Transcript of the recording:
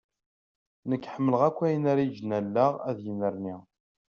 Nekk ḥemmleɣ akk ayen ara iǧǧen allaɣ ad yennerni.